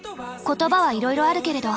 言葉はいろいろあるけれど。